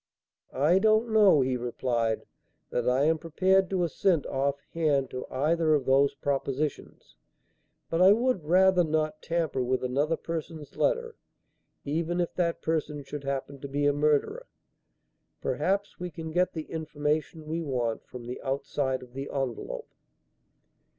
"I don't know," he replied, "that I am prepared to assent off hand to either of those propositions; but I would rather not tamper with another person's letter, even if that person should happen to be a murderer. Perhaps we can get the information we want from the outside of the envelope."